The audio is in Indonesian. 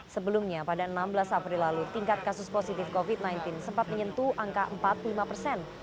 sebelumnya pada enam belas april lalu tingkat kasus positif covid sembilan belas sempat menyentuh angka empat puluh lima persen